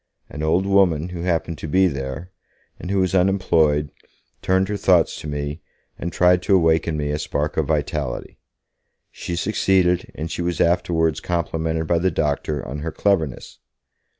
An old woman who happened to be there, and who was unemployed, turned her thoughts to me, and tried to awake in me a spark of vitality. She succeeded, and she was afterwards complimented by the doctor on her cleverness.